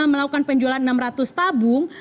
melakukan penjualan enam ratus tabung